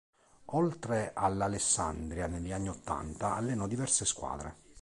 Oltre all'Alessandria, negli anni Ottanta allenò diverse squadre.